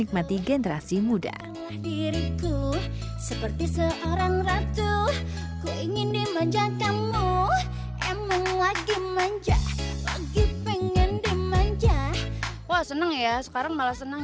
wah seneng ya sekarang malah seneng